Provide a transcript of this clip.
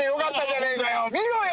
見ろよ。